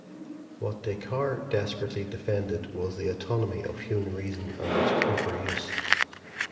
What Descartes desperately defended was the autonomy of human reason and its proper use.